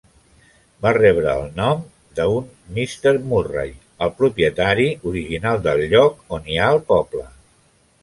Va rebre el nom de un Mr. Murray, el propietari original del lloc on hi ha el poble.